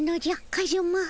カズマ。